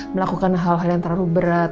melakukan hal hal yang terlalu berat